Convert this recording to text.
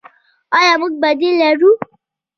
آیا موږ بدیل لرو؟